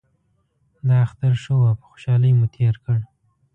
دا اختر ښه و او په خوشحالۍ مو تیر کړ